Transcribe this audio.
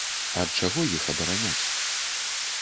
Ад чаго іх абараняць?